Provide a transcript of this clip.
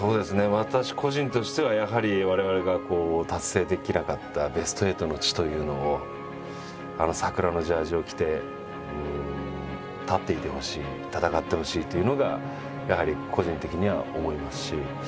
私個人としてはやはり我々が達成できなかったベスト８の地というのをあの桜のジャージを着て立っていてほしい戦ってほしいっていうのがやはり個人的には思いますし。